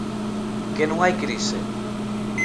Que non hai crise.